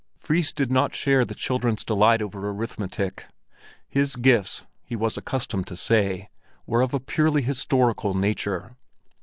Fris did not share the children's delight over arithmetic; his gifts, he was accustomed to say, were of a purely historical nature.